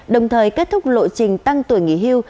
đồng thời kết thúc lộ trình tăng tuổi nghỉ hưu